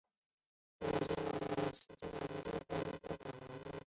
主要经营俄罗斯国内和国际定期及包机航班。